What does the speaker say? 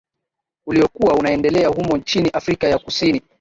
Uliokuwa unaendelea humo nchini Afrika ya Kusini